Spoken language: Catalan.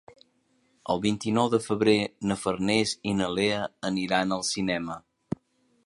El vint-i-nou de febrer na Farners i na Lea aniran al cinema.